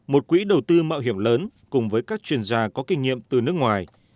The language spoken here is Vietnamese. một quỹ đầu tư mạo hiểm lớn cùng với các chuyên gia có kinh nghiệm từ nước ngoài